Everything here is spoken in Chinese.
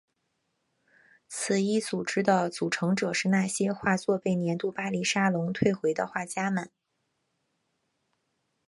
此一组织的组成者是那些画作被年度巴黎沙龙退回的画家们。